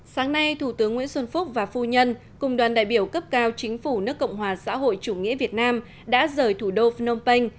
sáng nay thủ tướng nguyễn xuân phúc và phu nhân cùng đoàn đại biểu cấp cao chính phủ nước cộng hòa xã hội chủ nghĩa việt nam đã rời thủ đô phnom penh